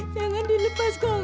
jangan dilepas kau